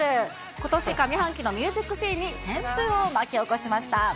ことし上半期のミュージックシーンに旋風を巻き起こしました。